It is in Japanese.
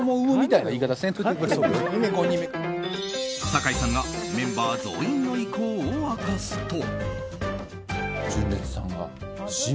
酒井さんがメンバー増員の意向を明かすと。